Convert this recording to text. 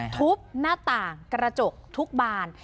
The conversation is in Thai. ทุบหน้าต่างกระจกทุกบาน